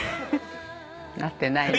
なってないな。